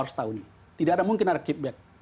harus tahu ini tidak mungkin ada kickback